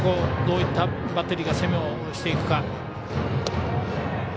どういったバッテリーが攻めをしていくか。